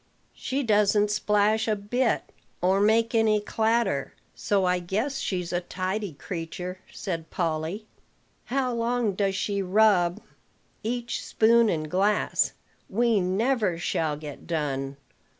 "She doesn't splash a bit, or make any clatter; so I guess she's a tidy creature," said Polly. "How long she does rub each spoon and glass. We never shall get done.